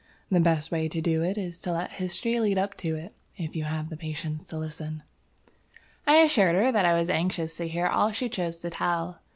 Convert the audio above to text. The best way to do it is to let history lead up to it, if you have the patience to listen." I assured her that I was anxious to hear all she chose to tell.